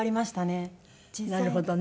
なるほどね。